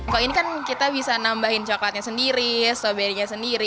kok ini kan kita bisa nambahin coklatnya sendiri stroberinya sendiri